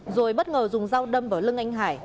rồi bất ngờ dùng dao đâm vào lưng anh hải